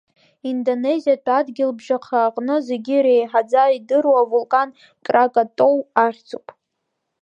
Индонезиатә адгьылбжьаха аҟны зегьы реиҳаӡа идыру авулкан Кракатау ахьӡуп.